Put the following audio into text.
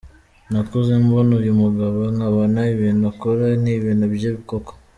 Nakuze mbona uyu mugabo, nkabona ibintu akora ni ibintu bye koko.